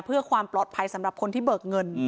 เพื่อความปลอดภัยสำหรับคนที่เบิกเงิน